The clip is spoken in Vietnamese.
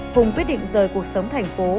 hùng quyết định rời cuộc sống thành phố